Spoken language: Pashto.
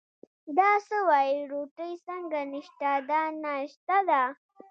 دا څه وایې، روټۍ څنګه نشته، دا ناشتا ده.